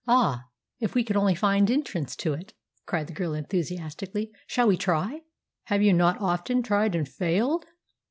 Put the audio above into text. "Ah, if we could only find entrance to it!" cried the girl enthusiastically. "Shall we try?" "Have you not often tried, and failed?"